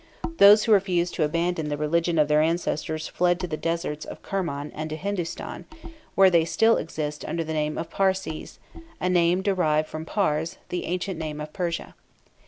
Those who refused to abandon the religion of their ancestors fled to the deserts of Kerman and to Hindustan, where they still exist under the name of Parsees, a name derived from Pars, the ancient name of Persia.